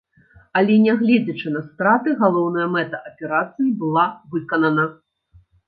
Але не гледзячы на страты, галоўная мэта аперацыі была выканана.